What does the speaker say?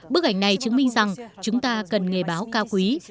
bức ảnh này chứng minh rằng chúng ta cần nghề báo cao quý